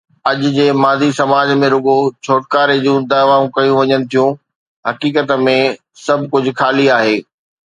اڄ جي مادي سماج ۾ رڳو ڇوٽڪاري جون دعوائون ڪيون وڃن ٿيون، حقيقت ۾ سڀ ڪجهه خالي آهي.